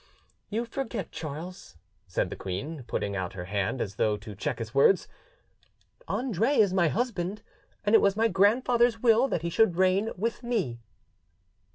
"You forget, Charles," said the queen, putting out her hand as though to check his words, "Andre is my husband, and it was my grandfather's will that he should reign with me."